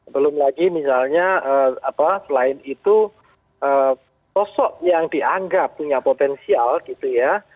belum lagi misalnya selain itu sosok yang dianggap punya potensial gitu ya